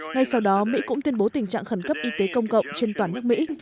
ngay sau đó mỹ cũng tuyên bố tình trạng khẩn cấp y tế công cộng trên toàn nước mỹ